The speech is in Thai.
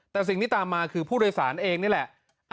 แต่สิ่งที่ตามมาคือผู้โดยสารเองนี่แหละ